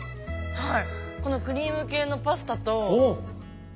はい。